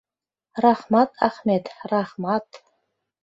Рахмат, Ахмет, рахмат.